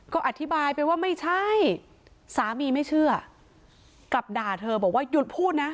ก็อธิบายไปว่าไม่ใช่สามีไม่เชื่อกลับด่าเธอบอกว่าหยุดพูดนะ